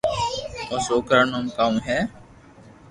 او سوڪرا رو نوم ڪاو ھي